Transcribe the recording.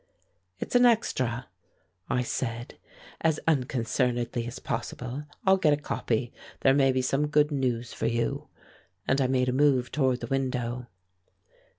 "It's an extra," I said, as unconcernedly as possible. "I'll get a copy. There may be some good news for you," and I made a move toward the window.